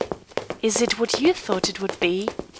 "Is it what you thought it would be?"